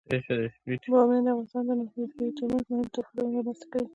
بامیان د افغانستان د ناحیو ترمنځ مهم تفاوتونه رامنځ ته کوي.